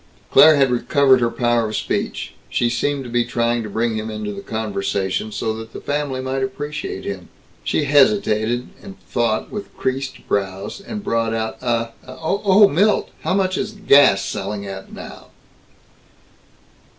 Claire had recovered her power of speech. She seemed to be trying to bring him into the conversation, so that the family might appreciate him. She hesitated, and thought with creased brows, and brought out, "Uh, uh, oh Oh Milt: How much is gas selling at now?"...